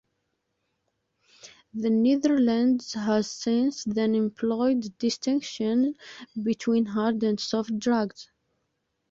The Netherlands has since then employed a distinction between hard and soft drugs.